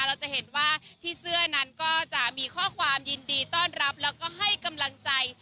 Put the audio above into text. เราจะเห็นว่าที่เสื้อนั้นก็จะมีข้อความยินดีต้อนรับแล้วก็ให้กำลังใจ